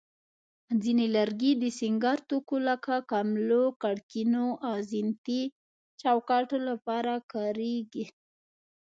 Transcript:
ځینې لرګي د سینګار توکو لکه کملو، کړکینو، او زینتي چوکاټونو لپاره کارېږي.